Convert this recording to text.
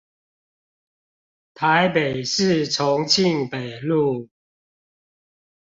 台北市重慶北路